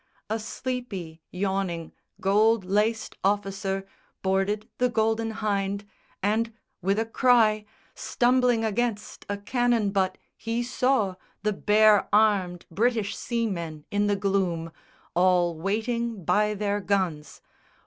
A sleepy, yawning, gold laced officer Boarded the Golden Hynde, and with a cry, Stumbling against a cannon butt, he saw The bare armed British seamen in the gloom All waiting by their guns.